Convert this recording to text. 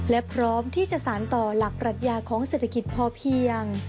และพร้อมที่จะสารต่อหลักปรัชญาของเศรษฐกิจพอเพียง